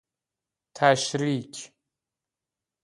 تشریک